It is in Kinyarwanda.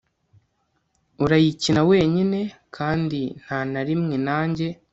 urayikina wenyine , kandi ntanarimwe nanjye